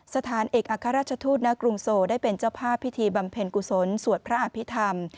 สถานเอกอัครราชทูตณกรุงโซได้เป็นเจ้าภาพพิธีบำเพ็ญกุศลสวดพระอภิษฐรรม